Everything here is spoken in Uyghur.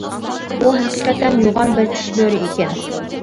ئۇ ھەقىقەتەن يوغان بىر چىشى بۆرە ئىكەن.